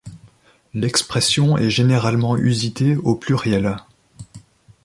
L'expression est généralement usitée au pluriel.